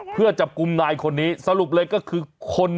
เพื่อจับกลุ่มนายคนนี้สรุปเลยก็คือคน